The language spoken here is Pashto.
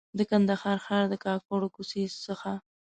د کندهار ښار د کاکړو کوڅې څخه.